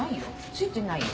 付いてないよ。